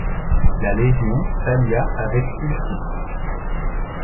La Légion s'allia avec Ultron.